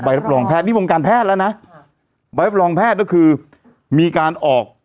รับรองแพทย์นี่วงการแพทย์แล้วนะใบรับรองแพทย์ก็คือมีการออก